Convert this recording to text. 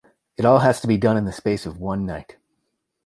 It all has to be done in the space of one night.